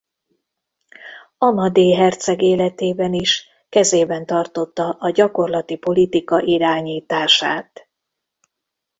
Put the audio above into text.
Amadé herceg életében is kezében tartotta a gyakorlati politika irányítását.